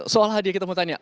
soal hadiah kita mau tanya